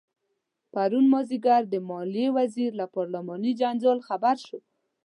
پرون مازدیګر د مالیې وزیر له پارلماني جنجال خبر شو.